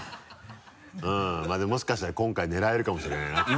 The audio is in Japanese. まぁでももしかしたら今回狙えるかもしれないなと。